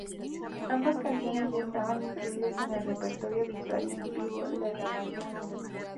Ambas canciones ya estaban incluidas en el repertorio habitual en vivo de la banda.